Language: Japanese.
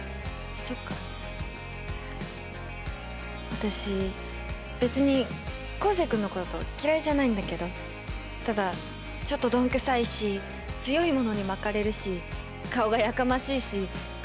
私別に昴生君のこと嫌いじゃないんだけどただちょっとどんくさいし強いものに巻かれるし顔がやかましいし唇